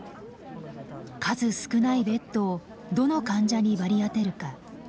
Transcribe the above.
数少ないベッドをどの患者に割り当てるか。